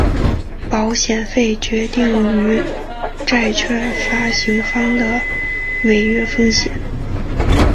保险费决定于债券发行方的违约风险。